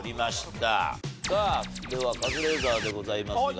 ではカズレーザーでございますが。